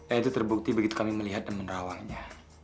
yaitu terbukti begitu kami melihat dan menerawangnya